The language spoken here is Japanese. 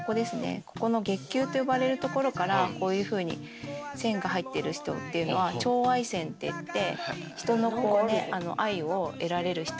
ここの月丘と呼ばれる所からこういうふうに線が入ってる人っていうのは寵愛線っていって。